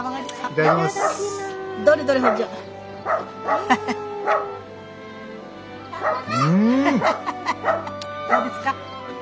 どうですか？